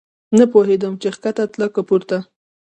نه پوهېدم چې کښته تله که پورته.